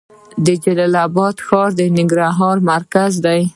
د جلال اباد ښار د ننګرهار مرکز دی